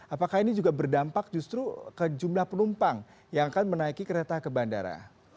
apakah ini juga berdampak justru ke jumlah penumpang yang akan menaiki kereta ke bandara